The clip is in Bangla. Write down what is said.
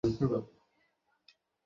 সে কি অপেক্ষা করতে পারছে না, মা?